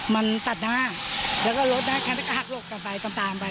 มันตัดหน้าแล้วก็รถได้แค่หักหลบกันไปตามตามไป